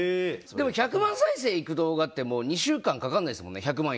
１００万回再生いく動画って２週間かかんないですもんね。